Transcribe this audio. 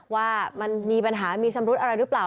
ว่ามันมีปัญหามีชำรุดอะไรหรือเปล่า